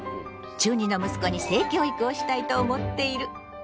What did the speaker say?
中２の息子に性教育をしたいと思っている。